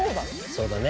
そうだね？